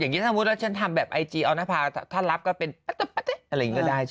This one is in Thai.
อ๋ออย่างนี้สมมุติว่าฉันทำแบบไอจีเอาหน้าพาถ้ารับก็เป็นอะไรอย่างนี้ก็ได้